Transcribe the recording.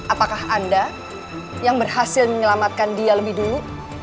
apakah anda yang berhasil menyelamatkan dia lebih dulu